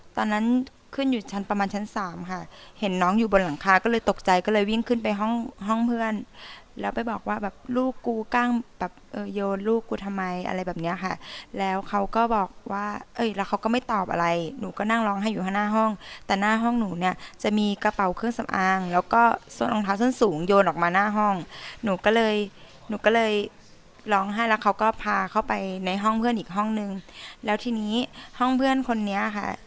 ตอนนั้นขึ้นอยู่ชั้นประมาณชั้นสามค่ะเห็นน้องอยู่บนหลังคาก็เลยตกใจก็เลยวิ่งขึ้นไปห้องห้องเพื่อนแล้วไปบอกว่าแบบลูกกูกล้างแบบเออโยนลูกกูทำไมอะไรแบบเนี้ยค่ะแล้วเขาก็บอกว่าเอ้ยแล้วเขาก็ไม่ตอบอะไรหนูก็นั่งร้องไห้อยู่ข้างหน้าห้องแต่หน้าห้องหนูเนี้ยจะมีกระเป๋าเครื่องสำอางแล้วก็ส้นองเท้าสั้นสูงโย